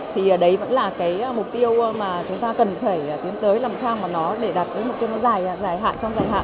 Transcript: thì đấy vẫn là mục tiêu mà chúng ta cần phải tiến tới làm sao để đạt mục tiêu nó dài hạn trong dài hạn